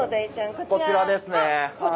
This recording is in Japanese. こちらです。